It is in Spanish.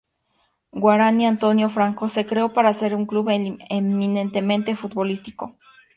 Guaraní Antonio Franco se creó para ser un club eminentemente futbolístico.